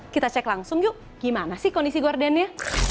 kita cek langsung yuk gimana sih kondisi gordennya